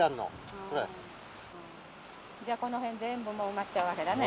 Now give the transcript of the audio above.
じゃあこの辺全部もう埋まっちゃうわけだね。